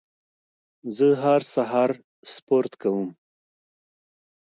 زه هر سهار سپورت کوم.